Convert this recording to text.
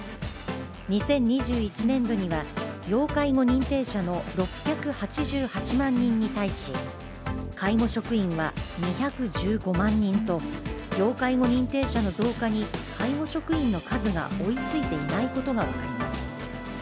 ２０２１年度には、要介護認定者の６８８万人に対し、介護職員は２１５万人と、要介護認定者の増加に介護職員の数が追いついていないことが分かります。